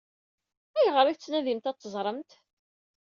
Ayɣer i tettnadimt ad teẓṛemt?